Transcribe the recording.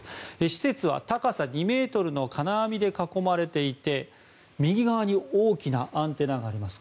施設は高さ２ｍの金網で囲まれていて右側に大きなアンテナがあります。